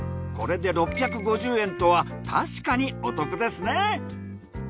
これで６５０円とはたしかにお得ですね。